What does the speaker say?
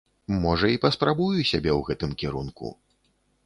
Можа, і паспрабую сябе ў гэтым кірунку.